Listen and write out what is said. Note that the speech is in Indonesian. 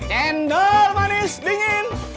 cendol manis dingin